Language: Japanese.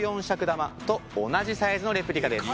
尺玉と同じサイズのレプリカです。